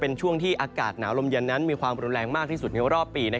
เป็นช่วงที่อากาศหนาวลมเย็นนั้นมีความรุนแรงมากที่สุดในรอบปี